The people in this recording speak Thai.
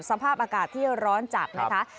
สภาพอากาศที่ร้อนจัดนะคะ